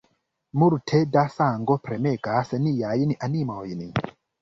Multe da sango premegas niajn animojn.